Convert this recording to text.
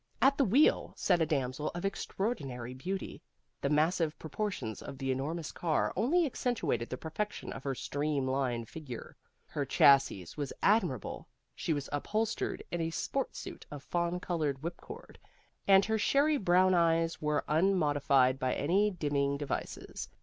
At the wheel sat a damsel of extraordinary beauty. The massive proportions of the enormous car only accentuated the perfection of her streamline figure. Her chassis was admirable; she was upholstered in a sports suit of fawn colored whipcord; and her sherry brown eyes were unmodified by any dimming devices.